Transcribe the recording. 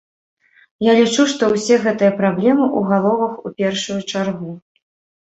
Я лічу, што ўсе гэтыя праблемы ў галовах у першую чаргу.